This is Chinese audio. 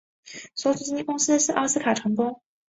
所属经纪公司是奥斯卡传播。